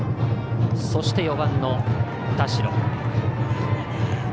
そして４番の田代。